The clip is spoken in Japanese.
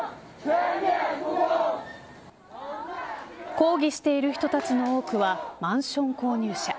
抗議している人たちの多くはマンション購入者。